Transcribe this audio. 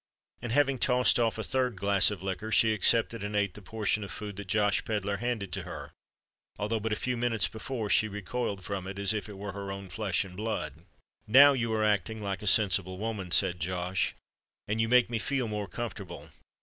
And having tossed off a third glass of liquor, she accepted and ate the portion of food that Josh Pedler handed to her—although but a few minutes before she recoiled from it, as if it were her own flesh and blood! "Now you are acting like a sensible woman," said Josh; "and you make me feel more comfortable.